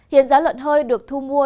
hiện giá lợn hơi được thu mua